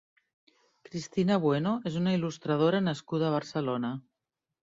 Cristina Bueno és una il·lustradora nascuda a Barcelona.